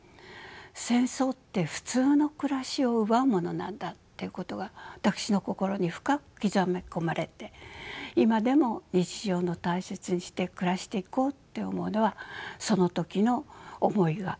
戦争って普通の暮らしを奪うものなんだっていうことが私の心に深く刻み込まれて今でも日常を大切にして暮らしていこうって思うのはその時の思いがあるからです。